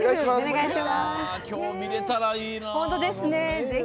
今日、見れたらいいな。